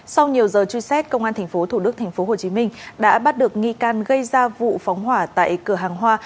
sau nhiều giờ truy xét công an tp thủ đức tp hcm đã bắt được nghi can gây ra vụ phóng hỏa tại cửa hàng hoa